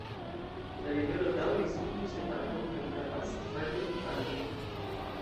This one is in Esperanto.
La ribelo daŭris unu semajnon kaj trapasis variajn fazojn.